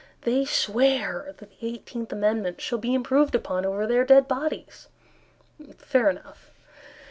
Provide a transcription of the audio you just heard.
They swear that the Eighteenth Amendment Shall be improved upon Over their dead bodies Fair enough!